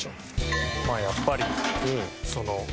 まあやっぱりその。